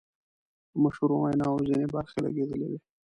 د مشهورو ویناوو ځینې برخې لګیدلې وې.